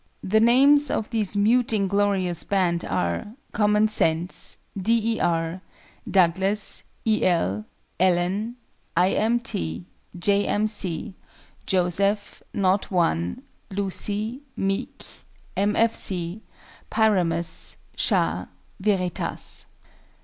The names of this "mute inglorious" band are COMMON SENSE, D. E. R., DOUGLAS, E. L., ELLEN, I. M. T., J. M. C., JOSEPH, KNOT I, LUCY, MEEK, M. F. C., PYRAMUS, SHAH, VERITAS.